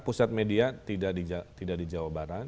pusat media tidak di jawa barat